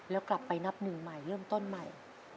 แล้วกลับไปนับหนึ่งใหม่เริ่มต้นใหม่